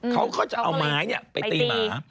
เขาก็จะเอาไม้ไปตีหมา